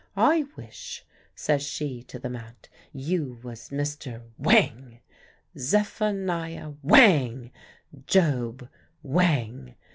"I wish," says she to the mat, "you was Mr. (whang) Zephaniah (whang) Job (whang).